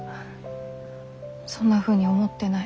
そんなふうに思ってない。